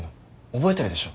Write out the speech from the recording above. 覚えてるでしょ？